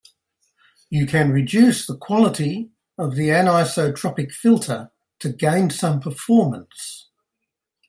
You can reduce the quality of the anisotropic filter to gain some performance.